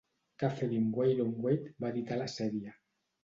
Catherine Yronwode va editar la sèrie.